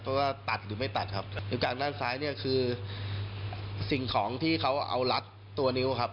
เพราะว่าตัดหรือไม่ตัดครับนิ้วกลางด้านซ้ายเนี่ยคือสิ่งของที่เขาเอารัดตัวนิ้วครับ